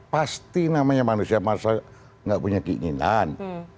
pasti namanya manusia manusia nggak punya keinginan